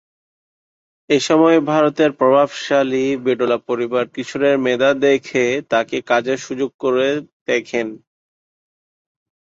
এসময় ভারতের প্রভাবশালী বিড়লা পরিবার কিশোরের মেধা দেখে তাকে কাজের সুযোগ করে দেখেন।